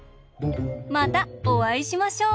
またおあいしましょう！